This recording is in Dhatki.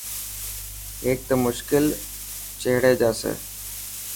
هيڪ ته مشڪل ڇڙي جاسي.